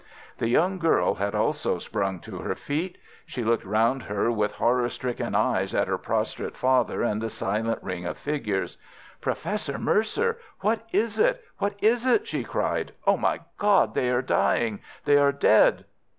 The young girl had also sprung to her feet. She looked round her with horror stricken eyes at her prostrate father and the silent ring of figures. "Professor Mercer! What is it? What is it?" she cried. "Oh, my God, they are dying! They are dead!"